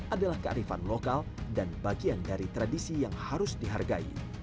adalah kearifan lokal dan bagian dari tradisi yang harus dihargai